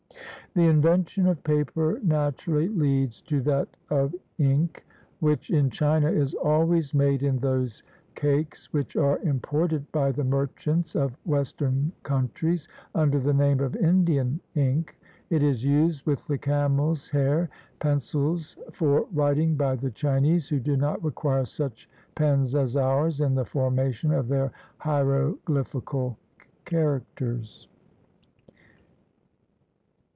The invention of paper naturally leads to that of ink, which in China is always made in those cakes which are imported by the merchants of Western countries under the name of Indian ink; it is used with the camel's hair pencils for writing by the Chinese, who do not require such pens as ours in the formation of their hieroglyphical characters.